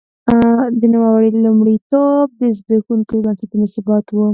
د نوموړي لومړیتوب د زبېښونکو بنسټونو ثبات و.